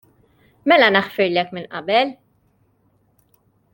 Mela naħfirlek minn qabel.